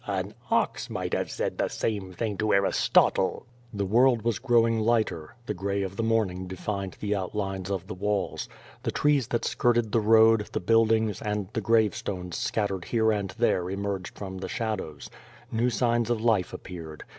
"An ox might have said the same thing to Aristotle." The world was growing lighter. The gray of the morning defined the outlines of the walls. The trees that skirted the road, the buildings, and the gravestones scattered here and there emerged from the shadows. New signs of life appeared.